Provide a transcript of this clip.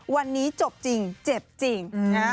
วันนี้จบจริงเจ็บจริง